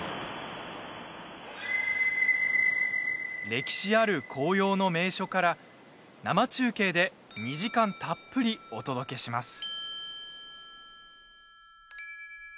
歴史ある紅葉の名所から生中継で２時間たっぷりお届けします。